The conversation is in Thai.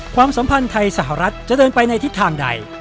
ความสัมพันธ์ไทยสหรัฐจะเดินไปในทิศทางใด